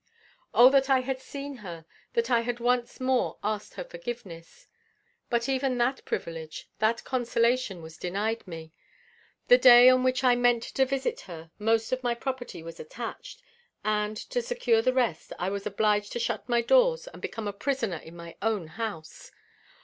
O that I had seen her! that I had once more asked her forgiveness! But even that privilege, that consolation, was denied me! The day on which I meant to visit her, most of my property was attached, and, to secure the rest, I was obliged to shut my doors and become a prisoner in my own house.